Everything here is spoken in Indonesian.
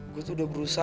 gua udah berusaha